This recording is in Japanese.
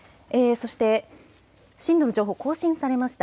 そして、震度の情報、更新されました。